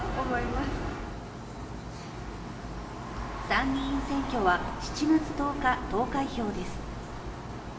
参議院選挙は７月１０日投開票です。